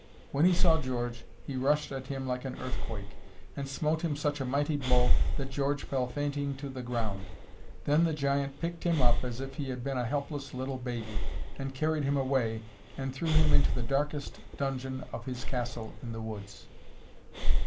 When he saw George he rushed at him like an earthquake, and smote him such a mighty blow that George fell fainting to the ground. Then the giant picked him up as if he had been a helpless little baby, and carried him away, and threw him into the darkest dungeon of his castle in the woods.